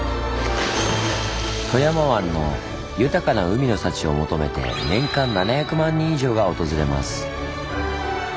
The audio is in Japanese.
富山湾の豊かな海の幸を求めて年間７００万人以上が訪れます。